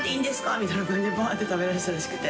みたいな感じで、ばーっと食べだしたらしくて。